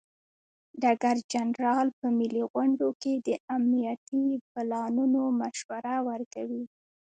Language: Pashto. ډګر جنرال په ملي غونډو کې د امنیتي پلانونو مشوره ورکوي.